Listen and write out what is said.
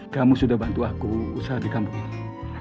kamu sudah bantu aku usaha di kampung ini